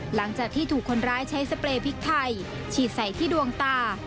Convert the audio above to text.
หลังจากที่ถูกคนร้ายใช้สเปรย์พริกไทยฉีดใส่ที่ดวงตา